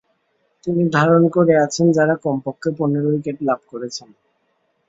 তিনি ধারণ করে আছেন যারা কমপক্ষে পনের উইকেট লাভ করেছেন।